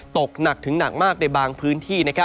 ตกหนักถึงหนักมากในบางพื้นที่